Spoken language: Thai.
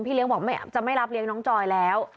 เลี้ยงบอกจะไม่รับเลี้ยงน้องจอยแล้ว